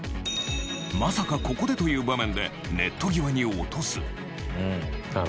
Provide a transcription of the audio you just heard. まさか、ここでという場面でネット際に落とす。